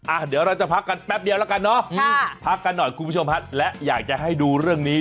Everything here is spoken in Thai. เดี๋ยวเราจะพักกันแป๊บเดียวแล้วกันเนอะพักกันหน่อยคุณผู้ชมฮะและอยากจะให้ดูเรื่องนี้